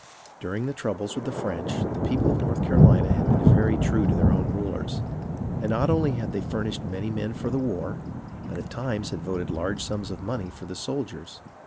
During the troubles with the French, the people of North Carolina had been very true to their own rulers, and not only had they furnished many men for the war, but at times had voted large sums of money for the soldiers.